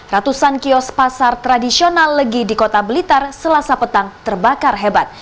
ratusan kios pasar tradisional legi di kota blitar selasa petang terbakar hebat